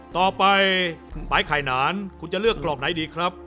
ต่อไปปลายไข่นานคุณจะเลือกกล่องไหนดีครับ